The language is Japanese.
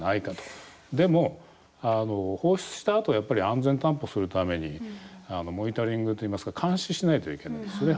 でも、放出したあと安全を担保するためにモニタリングといいますか監視しないといけないですよね。